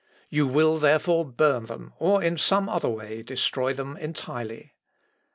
"You will therefore burn them, or in some other way destroy them entirely.